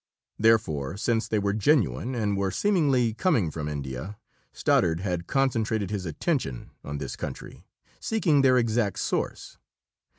Therefore, since they were genuine and were seemingly coming from India, Stoddard had concentrated his attention on this country, seeking their exact source.